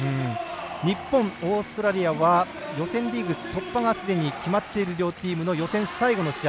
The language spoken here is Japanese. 日本、オーストラリアは予選リーグ突破がすでに決まっている両チームの予選最後の試合。